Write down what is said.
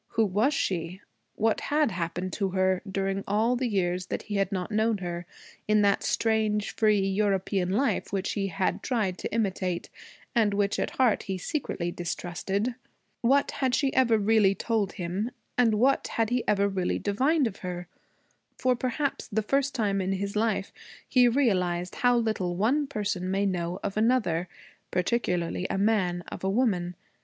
Who was she? What had happened to her, during all the years that he had not known her, in that strange free European life which he had tried to imitate, and which at heart he secretly distrusted? What had she ever really told him, and what had he ever really divined of her? For perhaps the first time in his life he realized how little one person may know of another, particularly a man of a woman.